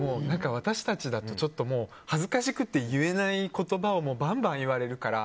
私たちだとちょっともう恥ずかしくて言えない言葉をバンバン言われるから。